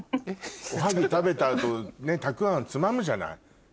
おはぎ食べた後たくあんつまむじゃない。